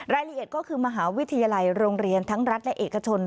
รายละเอียดก็คือมหาวิทยาลัยโรงเรียนทั้งรัฐและเอกชน